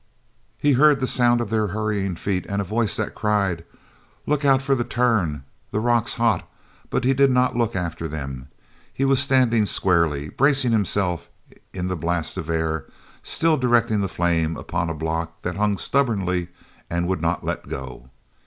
e heard the sound of their hurrying feet and a voice that cried: "Look out for the turn—the rock's hot," but he did not look after them. He was standing squarely, bracing himself in the blast of air, still directing the flame upon a block that hung stubbornly and would not let go.